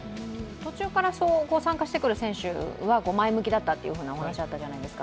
途中から参加してくる選手は前向きだったという話あったじゃないですか。